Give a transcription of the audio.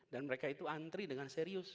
dan mereka itu antri dengan serius